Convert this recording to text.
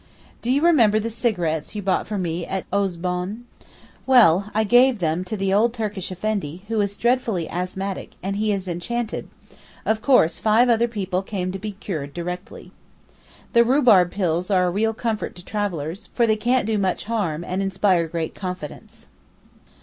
Do you remember the cigarettes you bought for me at Eaux Bonnes? Well, I gave them to the old Turkish Effendi, who is dreadfully asthmatic, and he is enchanted; of course five other people came to be cured directly. The rhubarb pills are a real comfort to travellers, for they can't do much harm, and inspire great confidence.